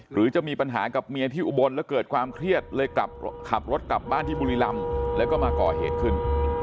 หรือจะมีปัญหากับเมียที่อุบลแล้วเกิดความเครียดเลยกลับขับรถกลับบ้านที่บุรีรำแล้วก็มาก่อเหตุขึ้น